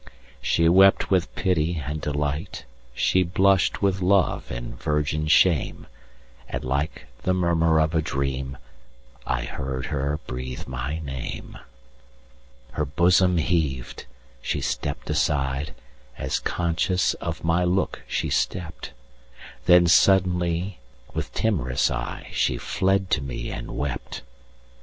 She wept with pity and delight, She blush'd with love and virgin shame; And like the murmur of a dream,I heard her breathe my name. Her bosom heaved—she stepp'd aside, As conscious of my look she stept—Then suddenly, with timorous eyeShe fled to me and wept.